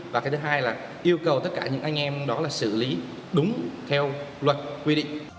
và cái thứ hai là yêu cầu tất cả những anh em đó là xử lý đúng theo luật quy định